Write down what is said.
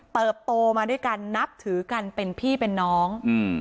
โตมาด้วยกันนับถือกันเป็นพี่เป็นน้องอืม